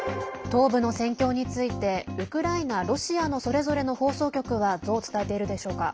東部の戦況についてウクライナ、ロシアのそれぞれの放送局はどう伝えているでしょうか。